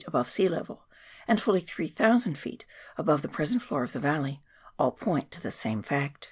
above sea level, and fully 3,000 ft. above the present floor of the valley, all point to the same fact.